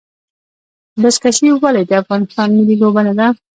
بزکشي ولې د افغانستان ملي لوبه نه ده؟